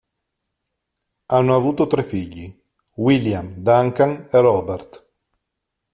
Hanno avuto tre figli: William, Duncan e Robert.